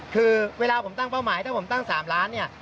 คือเวลาผมตั้งเป้าหมายถ้าผมตั้ง๓ล้านเนี่ย